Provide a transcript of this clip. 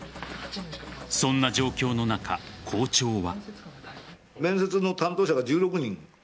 そんな状況の中、校長は。